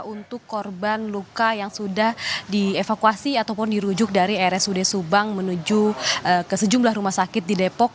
untuk korban luka yang sudah dievakuasi ataupun dirujuk dari rsud subang menuju ke sejumlah rumah sakit di depok